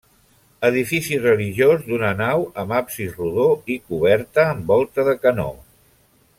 Edifici religiós d'una nau amb absis rodó i coberta amb volta de canó.